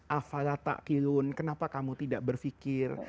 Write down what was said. afalata kilun kenapa kamu tidak berpikir